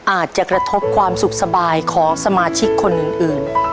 อาจจะกระทบความสุขสบายของสมาชิกคนอื่น